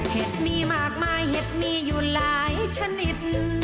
เห็ดมีมากมายเห็ดมีอยู่หลายชนิด